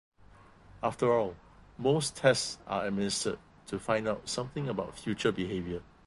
After all, most tests are administered to find out something about future behavior.